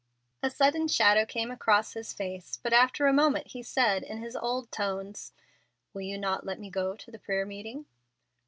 A sudden shadow came across his face, but after a moment he said, in his old tones: "Will you not let me go to the prayer meeting?"